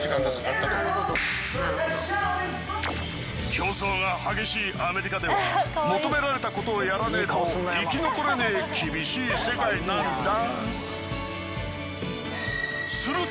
競争が激しいアメリカでは求められたことをやらねえと生き残れねえ厳しい世界なんだ。